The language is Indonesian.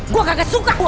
gua kagak suka gua